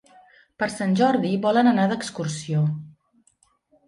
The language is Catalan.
Per Sant Jordi volen anar d'excursió.